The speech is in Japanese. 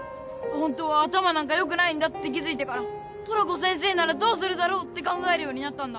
本当は頭なんか良くないんだって気付いてからトラコ先生ならどうするだろうって考えるようになったんだ。